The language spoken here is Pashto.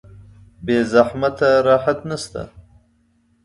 بې زحمت راحت نشته